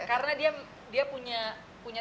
karena dia punya